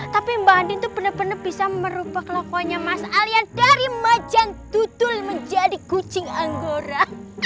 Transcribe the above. tapi mbak andin tuh bener bener bisa merupakan kelakuannya mas al yang dari majang tutul menjadi kucing anggora